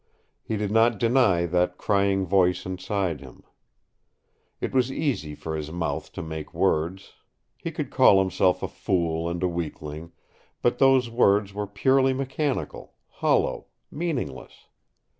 He did not deny that crying voice inside him. It was easy for his mouth to make words. He could call himself a fool and a weakling, but those words were purely mechanical, hollow, meaningless.